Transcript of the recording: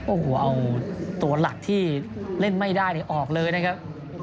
โอ้โหเอาตัวหลักที่เล่นไม่ได้ออกเลยนะครับ